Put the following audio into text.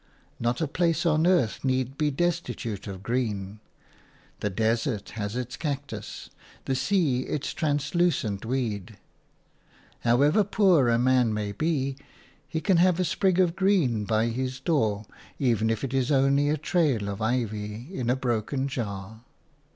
Not a place on earth need be destitute of green; the desert has its cactus, the sea its translucent weed. However poor a man may be, he can have a sprig of green by his door, even if it is only a trail of ivy in a broken jar.